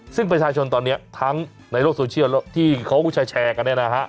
ซึ่งประชาชนตอนนี้ทั้งในโลกโซเชียลที่เขาแชร์กันเนี่ยนะฮะ